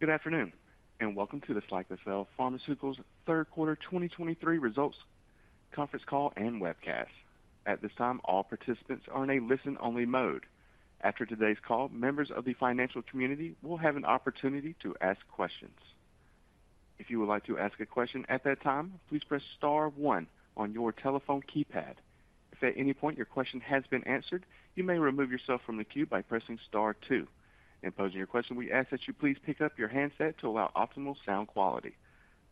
Good afternoon, and welcome to the Cyclacel Pharmaceuticals third quarter 2023 results conference call and Webcast. At this time, all participants are in a listen-only mode. After today's call, members of the financial community will have an opportunity to ask questions. If you would like to ask a question at that time, please press star one on your telephone keypad. If at any point your question has been answered, you may remove yourself from the queue by pressing star two. In posing your question, we ask that you please pick up your handset to allow optimal sound quality.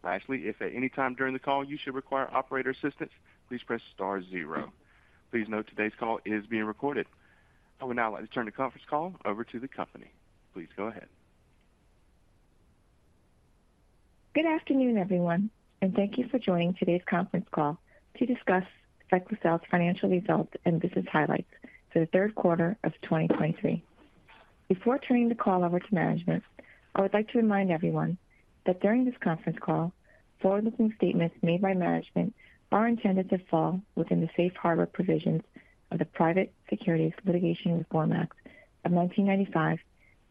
Lastly, if at any time during the call you should require operator assistance, please press star zero. Please note today's call is being recorded. I would now like to turn the conference call over to the company. Please go ahead. Good afternoon, everyone, and thank you for joining today's conference call to discuss Cyclacel's financial results and business highlights for the third quarter of 2023. Before turning the call over to management, I would like to remind everyone that during this conference call, forward-looking statements made by management are intended to fall within the Safe Harbor provisions of the Private Securities Litigation Reform Act of 1995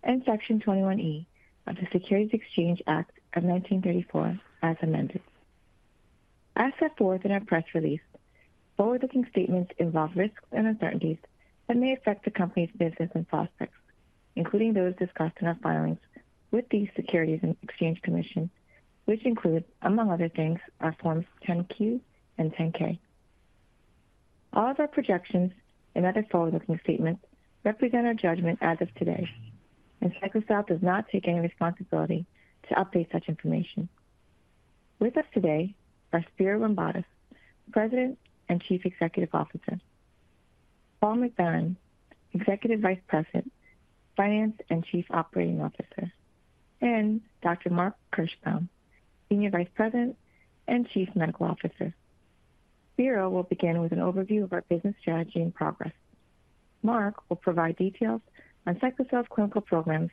and Section 21E of the Securities Exchange Act of 1934, as amended. As set forth in our press release, forward-looking statements involve risks and uncertainties that may affect the company's business and prospects, including those discussed in our filings with the Securities and Exchange Commission, which include, among other things, our Forms 10-Q and 10-K. All of our projections and other forward-looking statements represent our judgment as of today, and Cyclacel does not take any responsibility to update such information. With us today are Spiro Rombotis, President and Chief Executive Officer, Paul McBarron, Executive Vice President, Finance and Chief Operating Officer, and Dr. Mark Kirschbaum, Senior Vice President and Chief Medical Officer. Spiro will begin with an overview of our business strategy and progress. Mark will provide details on Cyclacel's clinical programs,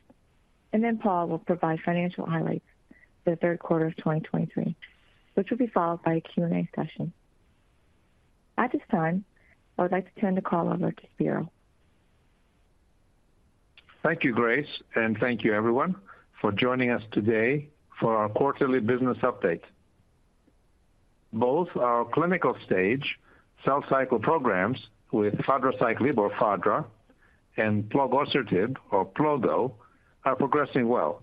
and then Paul will provide financial highlights for the third quarter of 2023, which will be followed by a Q&A session. At this time, I would like to turn the call over to Spiro. Thank you, Grace, and thank you everyone for joining us today for our quarterly business update. Both our clinical stage cell cycle programs with fadraciclib or FADRA, and plogosertib or PLGO, are progressing well.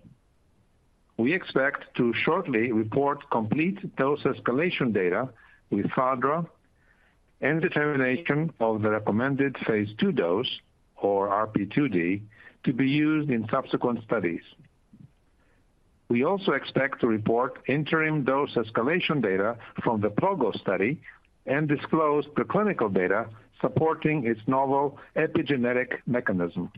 We expect to shortly report complete dose escalation data with FADRA and determination of the recommended phase II dose or RP2D to be used in subsequent studies. We also expect to report interim dose escalation data from the PLGO study and disclose preclinical data supporting its novel epigenetic mechanism.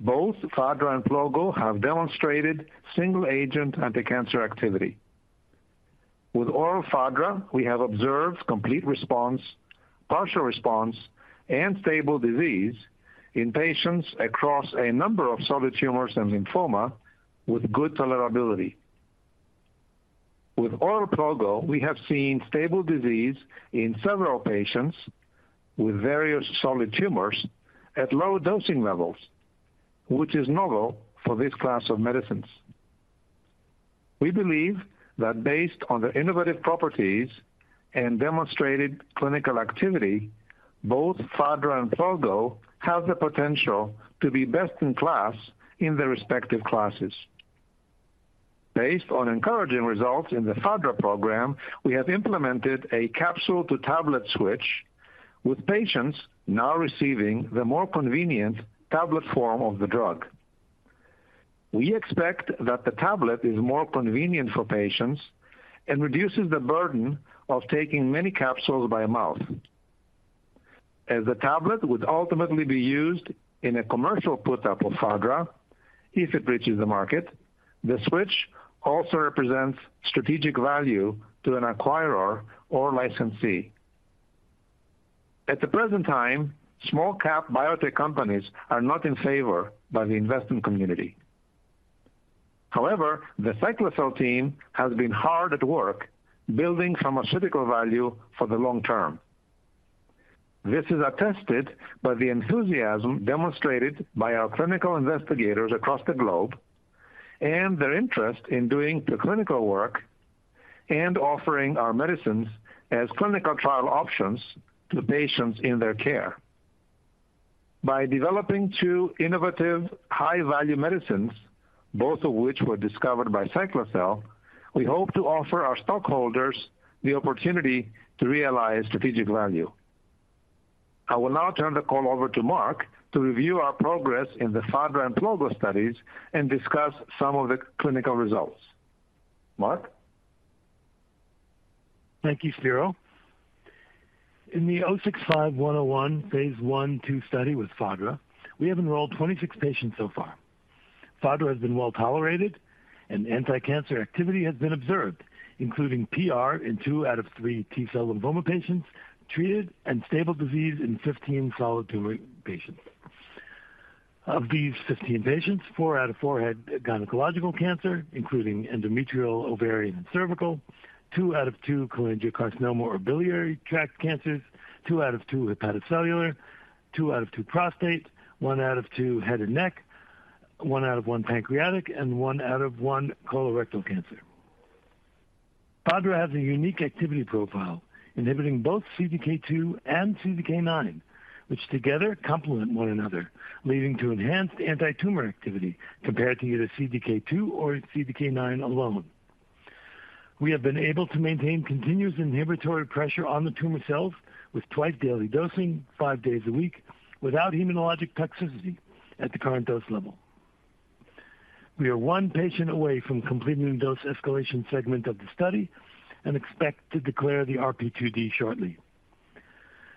Both FADRA and PLGO have demonstrated single-agent anticancer activity. With oral FADRA, we have observed complete response, partial response, and stable disease in patients across a number of solid tumors and lymphoma with good tolerability. With oral PLGO, we have seen stable disease in several patients with various solid tumors at low dosing levels, which is novel for this class of medicines. We believe that based on the innovative properties and demonstrated clinical activity, both FADRA and PLGO have the potential to be best in class in their respective classes. Based on encouraging results in the FADRA program, we have implemented a capsule-to-tablet switch, with patients now receiving the more convenient tablet form of the drug. We expect that the tablet is more convenient for patients and reduces the burden of taking many capsules by mouth. As the tablet would ultimately be used in a commercial put up of FADRA, if it reaches the market, the switch also represents strategic value to an acquirer or licensee. At the present time, small cap biotech companies are not in favor by the investment community. However, the Cyclacel team has been hard at work building pharmaceutical value for the long term. This is attested by the enthusiasm demonstrated by our clinical investigators across the globe and their interest in doing the clinical work and offering our medicines as clinical trial options to patients in their care. By developing two innovative, high-value medicines, both of which were discovered by Cyclacel, we hope to offer our stockholders the opportunity to realize strategic value. I will now turn the call over to Mark to review our progress in the FADRA and PLGO studies and discuss some of the clinical results. Mark? Thank you, Spiro. In the 065-101 phase I, II study with FADRA, we have enrolled 26 patients so far. FADRA has been well tolerated, and anticancer activity has been observed, including PR in two out of three T-cell lymphoma patients treated and stable disease in 15 solid tumor patients. Of these 15 patients, four out of four had gynecological cancer, including endometrial, ovarian, and cervical, two out of two cholangiocarcinoma or biliary tract cancers, two out of two hepatocellular, two out of two prostate, one out of two head and neck, one out of one pancreatic, and one out of one colorectal cancer. FADRA has a unique activity profile, inhibiting both CDK2 and CDK9, which together complement one another, leading to enhanced antitumor activity compared to either CDK2 or CDK9 alone. We have been able to maintain continuous inhibitory pressure on the tumor cells with twice-daily dosing, five days a week, without immunologic toxicity at the current dose level. We are one patient away from completing the dose escalation segment of the study and expect to declare the RP2D shortly.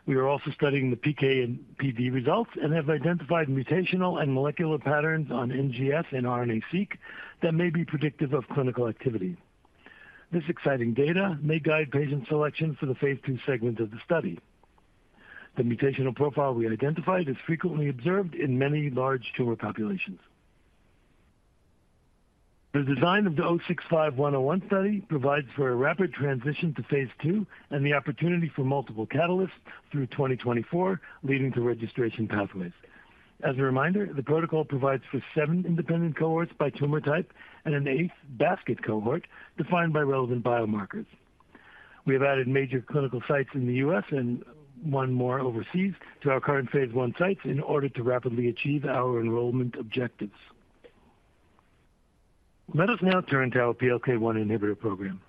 We are also studying the PK and PD results and have identified mutational and molecular patterns on NGS and RNA-Seq that may be predictive of clinical activity. This exciting data may guide patient selection for the phase II segment of the study. The mutational profile we identified is frequently observed in many large tumor populations. The design of the 065-101 study provides for a rapid transition to phase II and the opportunity for multiple catalysts through 2024, leading to registration pathways. As a reminder, the protocol provides for seven independent cohorts by tumor type and an eight-basket cohort defined by relevant biomarkers. We have added major clinical sites in the U.S. and one more overseas to our current phase I sites in order to rapidly achieve our enrollment objectives. Let us now turn to our PLK1 inhibitor program.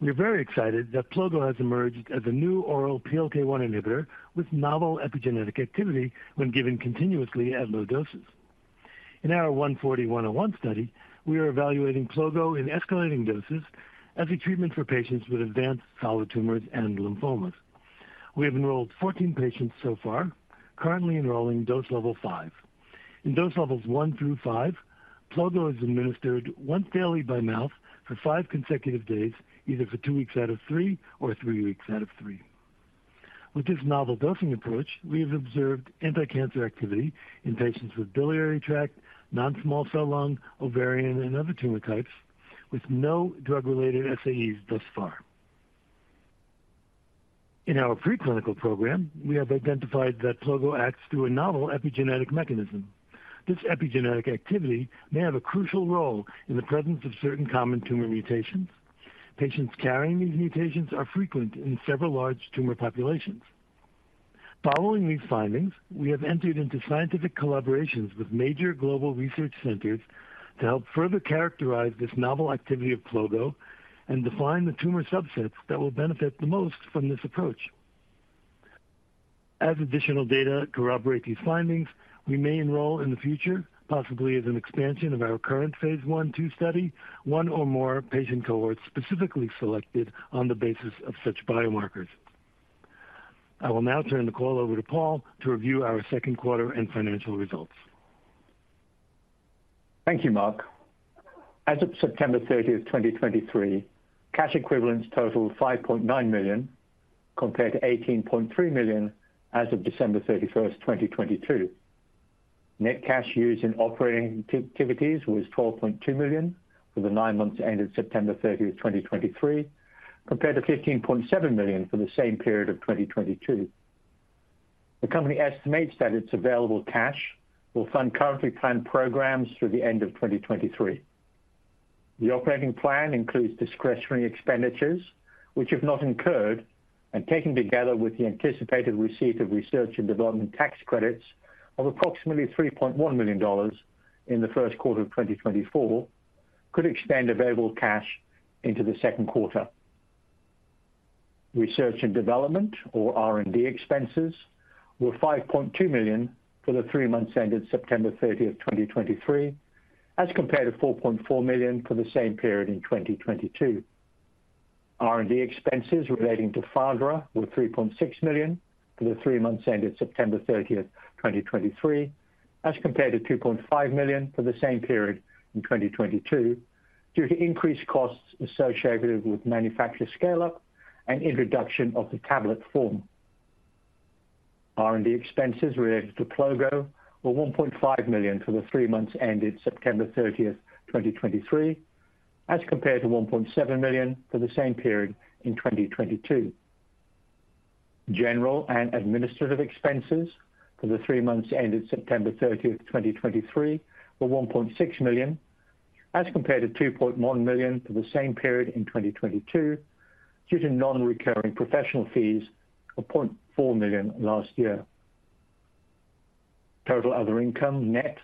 We are very excited that PLGO has emerged as a new oral PLK1 inhibitor with novel epigenetic activity when given continuously at low doses. In our 140-101 study, we are evaluating PLGO in escalating doses as a treatment for patients with advanced solid tumors and lymphomas. We have enrolled 14 patients so far, currently enrolling dose level five. In dose levels one through five, PLGO is administered once daily by mouth for five consecutive days, either for two weeks out of three or three weeks out of three. With this novel dosing approach, we have observed anticancer activity in patients with biliary tract, non-small cell lung, ovarian, and other tumor types, with no drug-related SAEs thus far. In our preclinical program, we have identified that PLGO acts through a novel epigenetic mechanism. This epigenetic activity may have a crucial role in the presence of certain common tumor mutations. Patients carrying these mutations are frequent in several large tumor populations. Following these findings, we have entered into scientific collaborations with major global research centers to help further characterize this novel activity of PLGO and define the tumor subsets that will benefit the most from this approach. As additional data corroborate these findings, we may enroll in the future, possibly as an expansion of our current phase I/II study, one or more patient cohorts specifically selected on the basis of such biomarkers. I will now turn the call over to Paul to review our second quarter and financial results. Thank you, Mark. As of September 30, 2023, cash equivalents totaled $5.9 million, compared to $18.3 million as of December 31, 2022. Net cash used in operating activities was $12.2 million for the nine months ended September 30, 2023, compared to $15.7 million for the same period of 2022. The company estimates that its available cash will fund currently planned programs through the end of 2023. The operating plan includes discretionary expenditures, which, if not incurred, and taken together with the anticipated receipt of research and development tax credits of approximately $3.1 million in the first quarter of 2024, could extend available cash into the second quarter. Research and development, or R&D expenses, were $5.2 million for the three months ended September 30, 2023, as compared to $4.4 million for the same period in 2022. R&D expenses relating to FADRA were $3.6 million for the three months ended September 30, 2023, as compared to $2.5 million for the same period in 2022, due to increased costs associated with manufacturer scale-up and introduction of the tablet form. R&D expenses related to PLGO were $1.5 million for the three months ended September 30, 2023, as compared to $1.7 million for the same period in 2022. General and administrative expenses for the three months ended September 30, 2023, were $1.6 million, as compared to $2.1 million for the same period in 2022, due to non-recurring professional fees of $0.4 million last year. Total other income net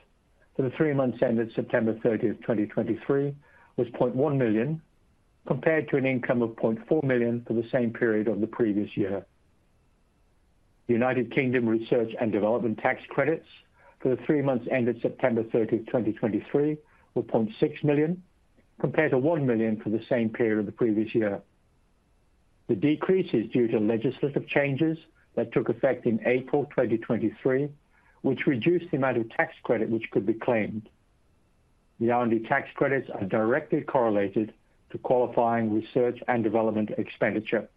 for the three months ended September 30, 2023, was $0.1 million, compared to an income of $0.4 million for the same period of the previous year. United Kingdom research and development tax credits for the three months ended September 30, 2023, were $0.6 million, compared to $1 million for the same period of the previous year. The decrease is due to legislative changes that took effect in April 2023, which reduced the amount of tax credit which could be claimed. The R&D tax credits are directly correlated to qualifying research and development expenditure.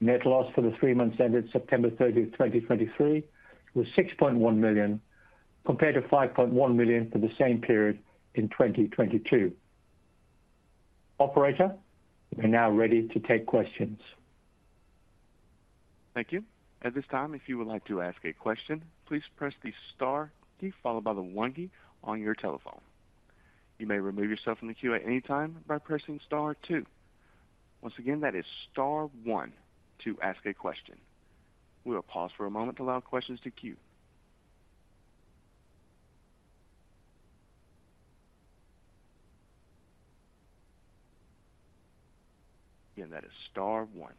Net loss for the three months ended September 30, 2023, was $6.1 million, compared to $5.1 million for the same period in 2022.... Operator, we're now ready to take questions. Thank you. At this time, if you would like to ask a question, please press the star key, followed by the one key on your telephone. You may remove yourself from the queue at any time by pressing star two. Once again, that is star one to ask a question. We will pause for a moment to allow questions to queue. Again, that is star one.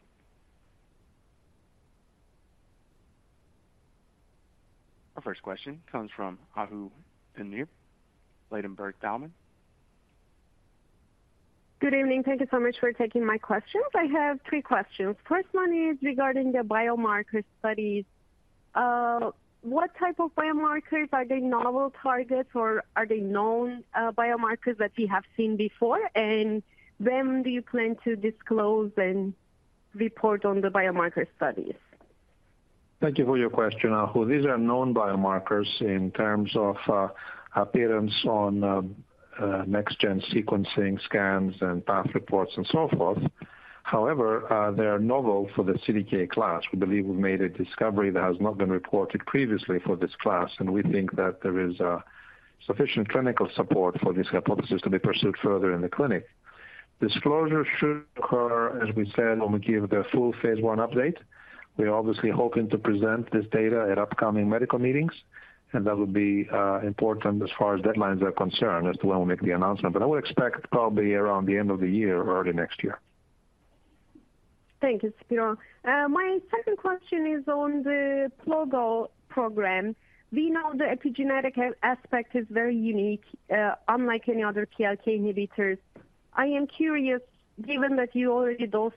Our first question comes from Ahu Demir, Ladenburg Thalmann. Good evening. Thank you so much for taking my questions. I have three questions. First one is regarding the biomarker studies. What type of biomarkers, are they novel targets or are they known biomarkers that we have seen before? And when do you plan to disclose and report on the biomarker studies? Thank you for your question, Ahu. These are known biomarkers in terms of, appearance on, next-gen sequencing scans and path reports and so forth. However, they are novel for the CDK class. We believe we've made a discovery that has not been reported previously for this class, and we think that there is, sufficient clinical support for this hypothesis to be pursued further in the clinic. Disclosure should occur, as we said, when we give the full phase I update. We're obviously hoping to present this data at upcoming medical meetings, and that would be, important as far as deadlines are concerned as to when we make the announcement. But I would expect probably around the end of the year or early next year. Thank you, Spiro. My second question is on the PLGO program. We know the epigenetic aspect is very unique, unlike any other PLK inhibitors. I am curious, given that you already dosed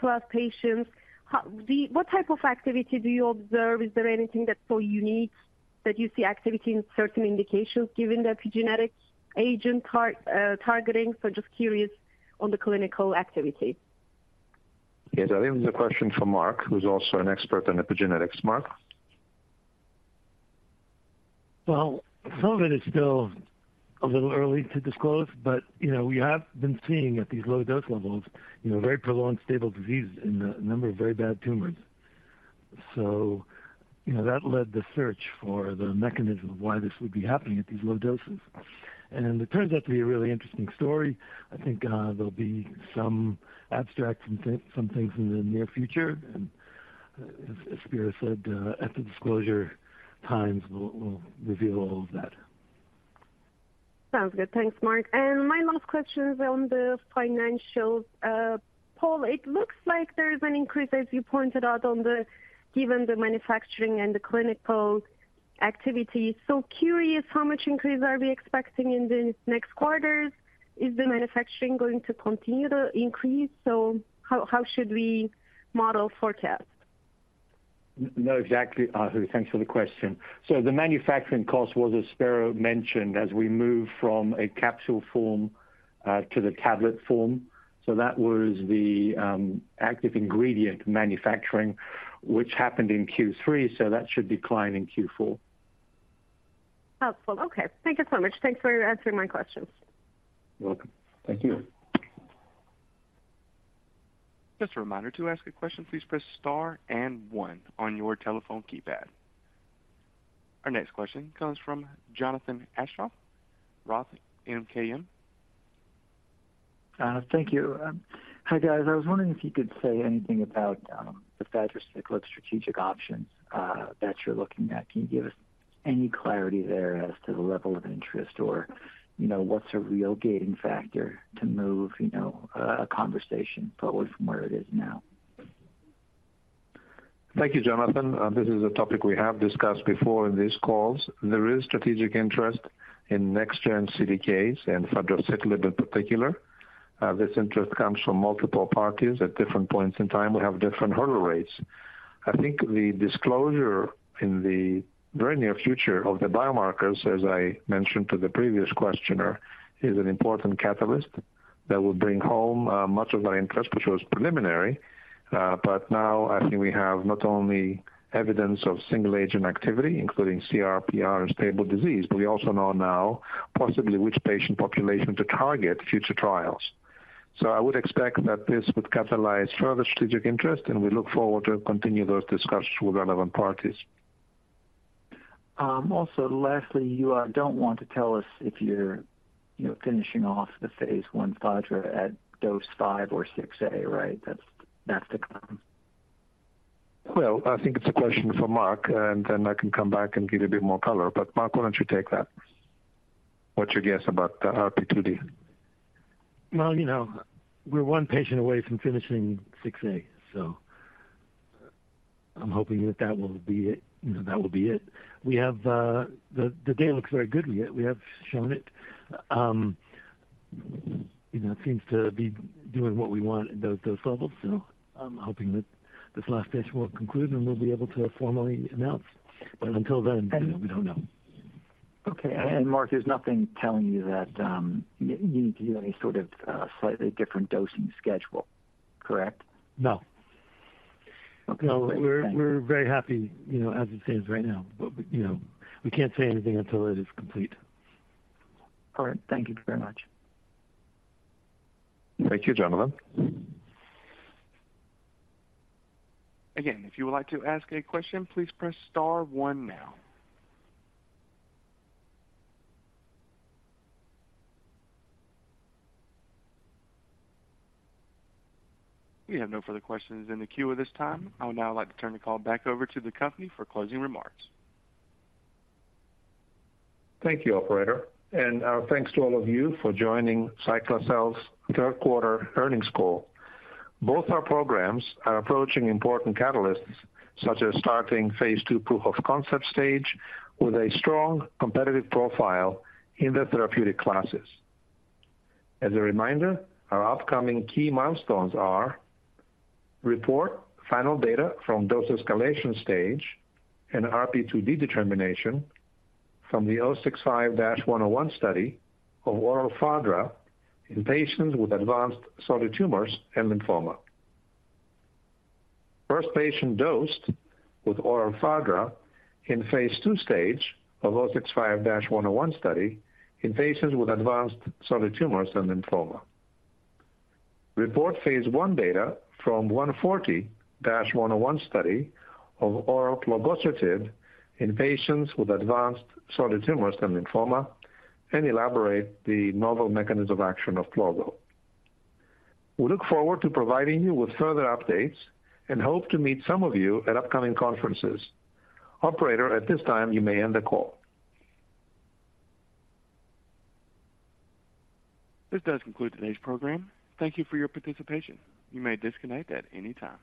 12 patients, how—what type of activity do you observe? Is there anything that's so unique that you see activity in certain indications given the epigenetic agent targeting? So just curious on the clinical activity. Yes, I think it's a question for Mark, who's also an expert on epigenetics. Mark? Well, some of it is still a little early to disclose, but, you know, we have been seeing at these low dose levels, you know, very prolonged stable disease in a number of very bad tumors. So, you know, that led the search for the mechanism of why this would be happening at these low doses. And it turns out to be a really interesting story. I think, there'll be some abstracts and some things in the near future, and as Spiro said, at the disclosure times, we'll reveal all of that. Sounds good. Thanks, Mark. My last question is on the financials. Paul, it looks like there is an increase, as you pointed out, on the, given the manufacturing and the clinical activity. So curious, how much increase are we expecting in the next quarters? Is the manufacturing going to continue to increase? So how should we model forecast? No, exactly, Ahu. Thanks for the question. So the manufacturing cost was, as Spiro mentioned, as we move from a capsule form to the tablet form. So that was the active ingredient manufacturing, which happened in Q3, so that should decline in Q4. Helpful. Okay. Thank you so much. Thanks for answering my questions. You're welcome. Thank you. Just a reminder, to ask a question, please press star and one on your telephone keypad. Our next question comes from Jonathan Aschoff, Roth MKM. Thank you. Hi, guys. I was wondering if you could say anything about the fadraciclib strategic options that you're looking at. Can you give us any clarity there as to the level of interest or, you know, what's a real gating factor to move, you know, a conversation forward from where it is now? Thank you, Jonathan. This is a topic we have discussed before in these calls. There is strategic interest in next-gen CDKs and fadraciclib in particular. This interest comes from multiple parties at different points in time, we have different hurdle rates. I think the disclosure in the very near future of the biomarkers, as I mentioned to the previous questioner, is an important catalyst that will bring home much of our interest, which was preliminary. But now I think we have not only evidence of single agent activity, including CR, PR and stable disease, but we also know now possibly which patient population to target future trials. So I would expect that this would catalyze further strategic interest, and we look forward to continue those discussions with relevant parties. Also, lastly, you don't want to tell us if you're, you know, finishing off the phase I FADRA at dose five or 6A, right? That's the plan. Well, I think it's a question for Mark, and then I can come back and give a bit more color. But Mark, why don't you take that? What's your guess about the RP2D? Well, you know, we're one patient away from finishing 6A, so I'm hoping that that will be it, you know, that will be it. We have the data looks very good. We have shown it. You know, it seems to be doing what we want at those levels. So I'm hoping that this last patient will conclude, and we'll be able to formally announce, but until then, we don't know. Okay. Mark, there's nothing telling you that you need to do any sort of slightly different dosing schedule, correct? No.... So we're very happy, you know, as it stands right now. But, you know, we can't say anything until it is complete. All right. Thank you very much. Thank you, Jonathan. Again, if you would like to ask a question, please press star one now. We have no further questions in the queue at this time. I would now like to turn the call back over to the company for closing remarks. Thank you, operator, and, thanks to all of you for joining Cyclacel's third quarter earnings call. Both our programs are approaching important catalysts, such as starting phase II proof of concept stage with a strong competitive profile in the therapeutic classes. As a reminder, our upcoming key milestones are: report final data from dose escalation stage and RP2D determination from the 065-101 study of oral FADRA in patients with advanced solid tumors and lymphoma. First patient dosed with oral FADRA in phase II stage of 065-101 study in patients with advanced solid tumors and lymphoma. Report phase I data from 140-101 study of oral plogosertib in patients with advanced solid tumors and lymphoma, and elaborate the novel mechanism of action of PLGO. We look forward to providing you with further updates and hope to meet some of you at upcoming conferences. Operator, at this time, you may end the call. This does conclude today's program. Thank you for your participation. You may disconnect at any time.